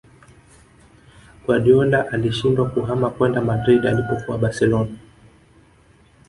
Guardiola alishindwa kuhama kwenda Madrid alipokuwa Barcelona